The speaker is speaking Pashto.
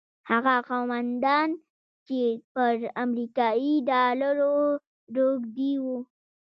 هغه قوماندانان چې پر امریکایي ډالرو روږدي وو.